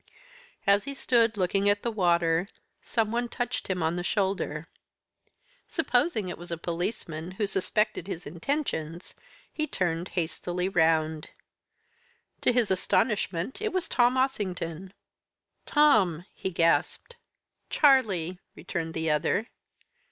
As he stood looking at the water, some one touched him on the shoulder. Supposing it was a policeman who suspected his intentions, he turned hastily round. To his astonishment it was Tom Ossington. 'Tom!' he gasped. "'Charlie!' returned the other.